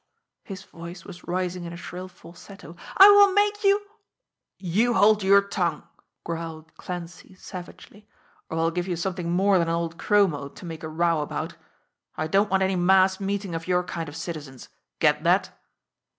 His voice was rising in a shrill falsetto. "I will make you " "You hold your tongue," growled Clancy savagely, "or I'll give you something more than an old chromo to make a row about! I don't want any mass meeting of your kind of citizens. Get that?"